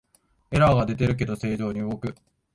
エラーが出てるけど正常に動く